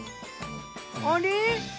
あれ？